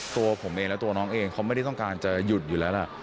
ตัวผมเองและตัวน้องเองเขาไม่ได้ต้องการจะหยุดอยู่แล้วล่ะ